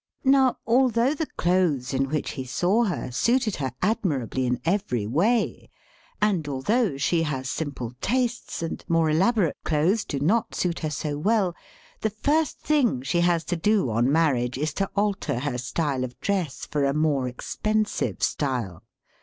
Now, although the clothes in which he saw her suited her admirably in every way, and altbou^ THE MEANING OF FROCKS 91 she has simple tastes, and more elaborate clothes do not suit her so well, the first thing she has to do on marriage is to alter her style of dress for a more expensive style.